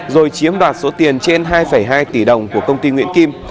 rồi chiếm đoạt số tiền trên hai hai tỷ đồng của công ty nguyễn kim